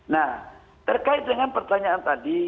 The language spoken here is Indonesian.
nah terkait dengan pertanyaan tadi